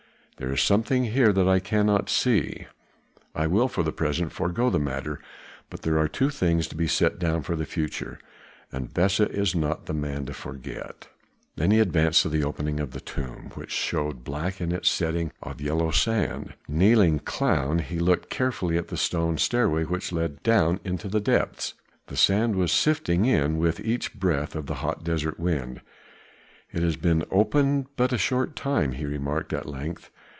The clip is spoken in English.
There is something here that I cannot see. I will for the present forego the matter, but there are two things to be set down for the future, and Besa is not the man to forget." Then he advanced to the opening of the tomb, which showed black in its setting of yellow sand; kneeling clown, he looked carefully at the stone stairway which led down into the depths. The sand was sifting in with each breath of the hot desert wind. "It has been opened but a short time," he remarked at length.